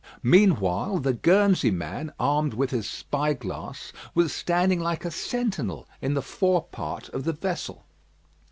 Meanwhile the Guernsey man, armed with his spyglass, was standing like a sentinel in the fore part of the vessel.